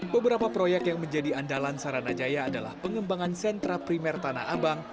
beberapa proyek yang menjadi andalan saranajaya adalah pengembangan sentra primer tanah abang